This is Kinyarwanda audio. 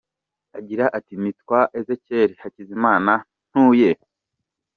agira ati, Nitwa Ezechiel Hakizimana ntuye.